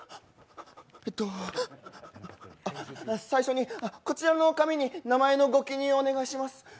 えっと最初にこちらの紙に名前のご記入、お願いします。